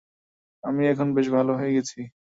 আমি এখন বেশ ভাল হয়ে গেছি।